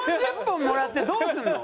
４０本もらってどうするの？